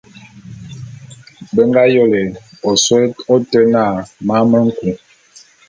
Be nga yôle ôsôé ôte na Man me nku.